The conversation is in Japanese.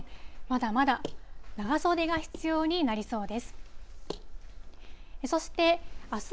まだまだ長袖が必要になりそうです。